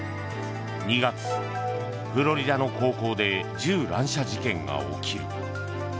２月、フロリダの高校で銃乱射事件が起きる。